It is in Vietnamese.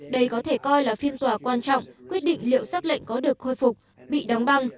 đây có thể coi là phiên tòa quan trọng quyết định liệu xác lệnh có được khôi phục bị đóng băng